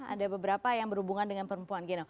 ada beberapa yang berhubungan dengan perempuan genok